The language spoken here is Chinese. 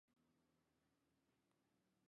经济以造船和捕鱼为主。